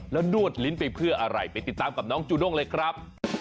แล้วนวดลิ้นไปเพื่ออะไรไปติดตามกับน้องจูด้งเลยครับ